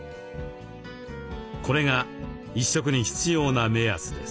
これが１食に必要な目安です。